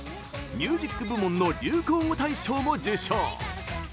ミュージック部門の流行語大賞も受賞。